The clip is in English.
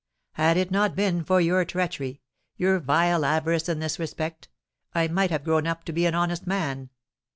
Had it not been for your treachery—your vile avarice in this respect, I might have grown up to be an honest man.